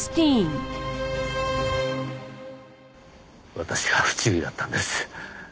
私が不注意だったんです。